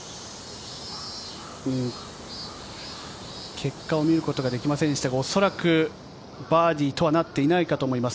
結果を見ることができませんでしたが、おそらくバーディーとはなっていないかと思います。